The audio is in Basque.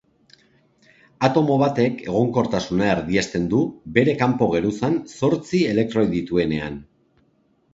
Atomo batek egonkortasuna erdiesten du bere kanpo-geruzan zortzi elektroi dituenean.